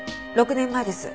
６年前です。